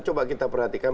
coba kita perhatikan